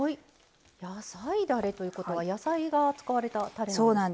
野菜だれということは野菜が使われたたれなんですね。